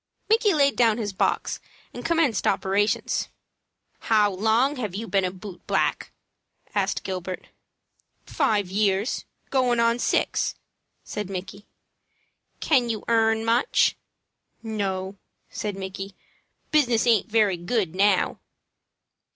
Micky laid down his box, and commenced operations. "How long have you been a boot black?" asked Gilbert. "Five years goin' on six," said Micky. "Can you earn much?" "No," said Micky. "Business aint very good now."